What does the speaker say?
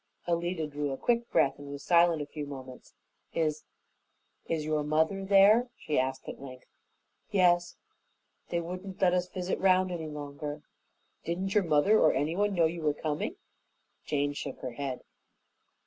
Alida drew a quick breath and was silent a few moments. "Is is your mother there?" she asked at length. "Yes. They wouldn't let us visit round any longer." "Didn't your mother or anyone know you were coming?" Jane shook her head.